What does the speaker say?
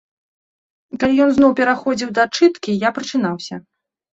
Калі ён зноў пераходзіў да чыткі, я прачынаўся.